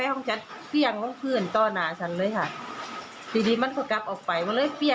โดนที่เฟ่งมาเนี่ย